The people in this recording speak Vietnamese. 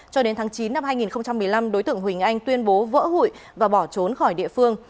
cho đến tháng chín năm hai nghìn một mươi năm đối tượng huỳnh anh tuyên bố vỡ hụi và bỏ trốn khỏi địa phương